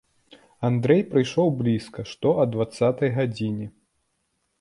Андрэй прыйшоў блізка што а дванаццатай гадзіне.